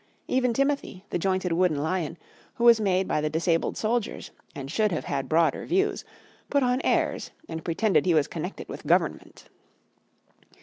Even Timothy, the jointed wooden lion, who was made by the disabled soldiers, and should have had broader views, put on airs and pretended he was connected with Government.